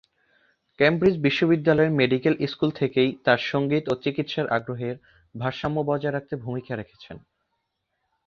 Cambridge বিশ্ববিদ্যালয়ের medical school থেকেই তার সঙ্গীত ও চিকিৎসার আগ্রহের ভারসাম্য বজায় রাখতে ভুমিকা রেখেছেন।